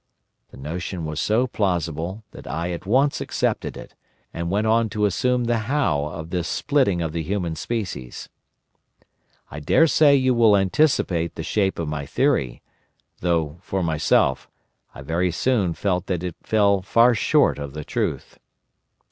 The notion was so plausible that I at once accepted it, and went on to assume the how of this splitting of the human species. I dare say you will anticipate the shape of my theory; though, for myself, I very soon felt that it fell far short of the truth.